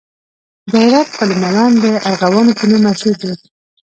د هرات پل مالان د ارغوانو په نوم مشهور دی